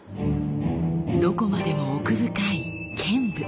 どこまでも奥深い剣舞。